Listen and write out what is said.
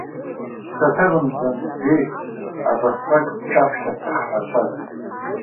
Саҭабымҵан, ди, абасҟак бҿаԥхьа сахьҳәацәаз.